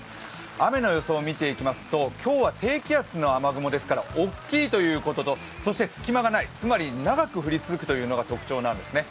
雨の予想を見ていきますと今日は低気圧の雨ですから大きいということと、そして隙間がない、つまり長く降り続くというのが特徴なんですね。